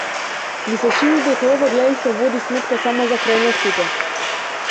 Ми се чини дека ова гледиште води сметка само за крајностите.